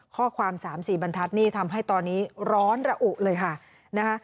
ข้อความ๓๔บรรทัศน์นี่ทำให้ตอนนี้ร้อนระอุเลยค่ะนะคะ